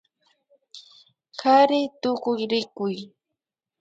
Kari tukuyrikuy